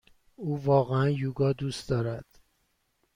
او واقعا یوگا دوست دارد.